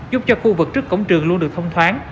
giúp cho khu vực trước cổng trường luôn được thông thoáng